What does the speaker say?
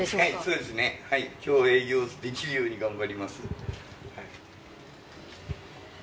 そうですね、今日、営業できるように頑張ります。